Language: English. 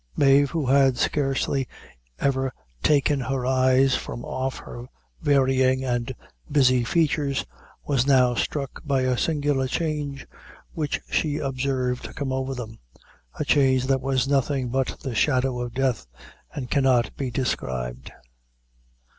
Mave, who had scarcely ever taken her eyes from off her varying and busy features, was now struck by a singular change which she observed come over them a change that was nothing but the shadow of death, and cannot be described.